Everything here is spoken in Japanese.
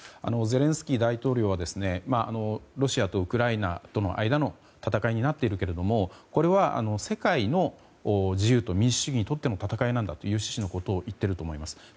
ゼレンスキー大統領はロシアとウクライナとの間の戦いになっているけれどもこれは世界の自由と民主主義にとっての戦いなんだという趣旨のことを言っていると思います。